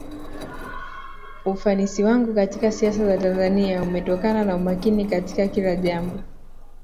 ufanisi wangu katika siasa za tanzania umetokana na umakini katika kila jambo